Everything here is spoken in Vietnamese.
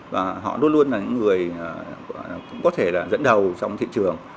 và họ luôn luôn là những người cũng có thể là dẫn đầu trong thị trường